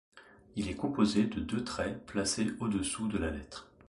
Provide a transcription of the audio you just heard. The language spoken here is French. Il est composé de deux trait placé au-dessous de la lettre.